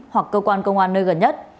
hoặc cơ quan công an nơi gần nhất